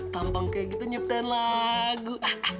tampang kayak gitu nyipten lagu